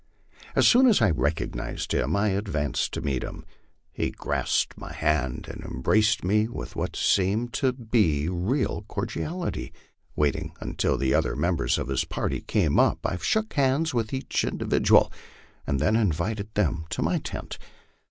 As soon as I recognized him I advanced to meet him. He grasped my hand and embraced me with what seemed to me real cordiality. Waiting un til the other members of his party came up, I shook hands with each individual, and then invited them to my tent.